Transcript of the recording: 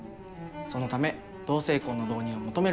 そのため同性婚の導入を求める声も強いんだ。